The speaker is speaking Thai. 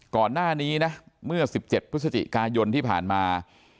ก่อนหน้านี้นะเมื่อ๑๗พฤศจิกายนที่ผ่านมา